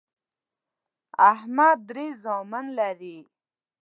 احمد درې زامن لري